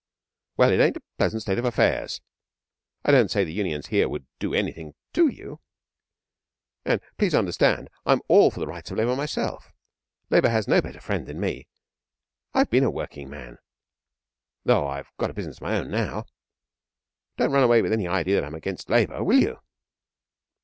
'Well, it ain't a pleasant state of affairs. I don't say that the Unions here would do anything to you and please understand I'm all for the rights of Labour myself. Labour has no better friend than me I've been a working man, though I've got a business of my own now. Don't run away with any idea that I'm against Labour will you?'